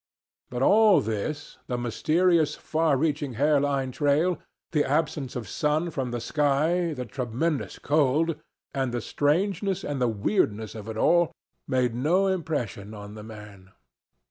But all this—the mysterious, far reaching hairline trail, the absence of sun from the sky, the tremendous cold, and the strangeness and weirdness of it all—made no impression on the man.